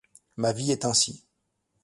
Ma vie est ainsi